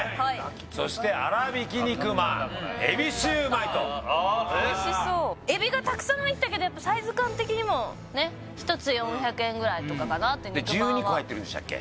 そしてあらびき肉まんエビシューマイとおいしそう海老がたくさん入ってたけどやっぱサイズ感的にもね１つ４００円ぐらいとかかなって肉まんは１２個入ってるんでしたっけ？